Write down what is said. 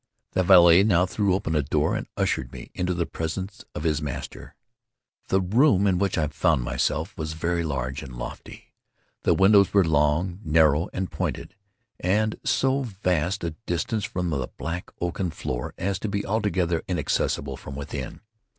The valet now threw open a door and ushered me into the presence of his master. The room in which I found myself was very large and lofty. The windows were long, narrow, and pointed, and at so vast a distance from the black oaken floor as to be altogether inaccessible from within.